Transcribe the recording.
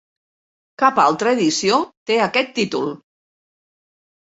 Cap altra edició té aquest títol.